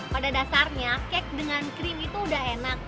pada dasarnya cake dengan krim itu udah enak